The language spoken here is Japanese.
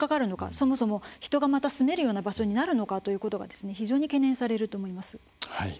そもそも人がまた住めるような場所になるのかということが非常に懸念されると思います。